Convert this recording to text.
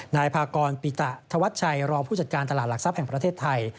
นายพากรปิตะธวัชชัยรองผู้จัดการตลาดหลักทรัพย์แห่งประเทศไทย